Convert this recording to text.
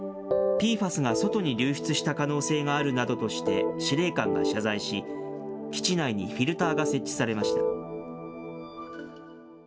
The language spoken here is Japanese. ＰＦＡＳが外に流出した可能性があるなどとして司令官が謝罪し、基地内にフィルターが設置されました。